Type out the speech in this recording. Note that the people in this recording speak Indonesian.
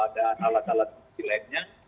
dan alat alat lainnya